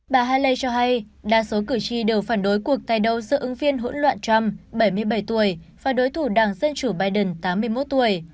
bà haley cho hay đa số cử tri đều phản đối cuộc tài đầu giữa ứng viên hỗn loạn trump bảy mươi bảy tuổi và đối thủ đảng dân chủ biden tám mươi một tuổi